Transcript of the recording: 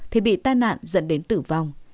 thì bị tai nạn dẫn đến tử vong